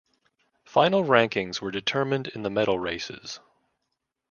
Final rankings were determined in the medal races.